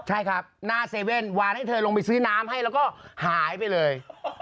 ใช่ครับหน้าเซเว่นวานให้เธอลงไปซื้อน้ำให้แล้วก็หายไปเลย